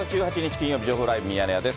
金曜日、情報ライブミヤネ屋です。